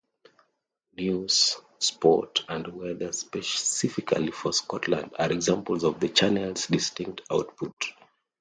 News, Sport and Weather specifically for Scotland are examples of the channel's distinct output.